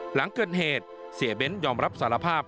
หลังเกิดเหตุเสียเบ้นยอมรับสารภาพ